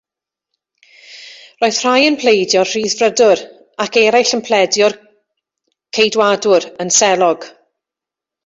Roedd rhai yn pleidio'r Rhyddfrydwr ac eraill yn pleidio'r Ceidwadwr yn selog.